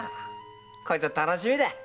こいつは楽しみだ！